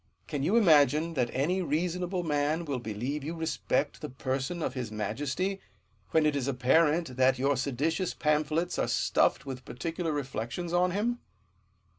Can you imagine that any reasonable man will believe you respect the person of his majesty, when it is apparent that your seditious pamphlets are stuffed with particular reduc tions on him